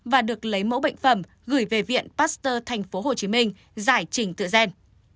và được lấy mẫu bệnh phẩm gửi về viện pasteur tp hcm giải trình tự gen